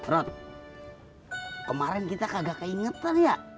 rod kemarin kita kagak keingetan ya